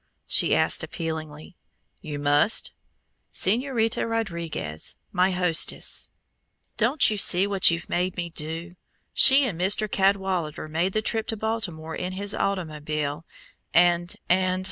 she asked appealingly. "You must!" "Señorita Rodriguez my hostess! Don't you see what you've made me do? She and Mr. Cadwallader made the trip to Baltimore in his automobile, and and